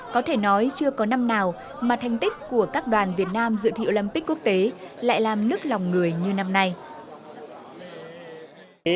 có thể nói chưa có năm nào mà thành tích của các đoàn việt nam dự thi olympic quốc tế lại làm nức lòng người như năm nay